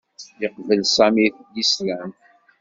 Yeqbel Sami Lislam.